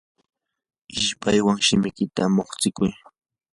ishpaywan shimikita muqstikuy.